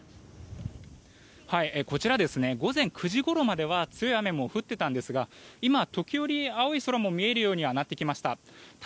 こちら、午前９時ごろまでは強い雨も降っていたんですが今は時折、青い空も見えるようにはなってきました。